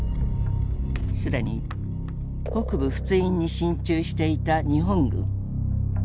既に北部仏印に進駐していた日本軍。